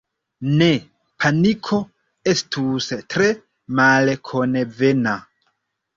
Ne, paniko estus tre malkonvena.